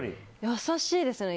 優しいですね。